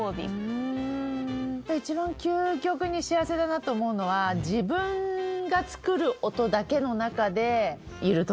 うん一番究極に幸せだなと思うのは自分が作る音だけの中でいる時。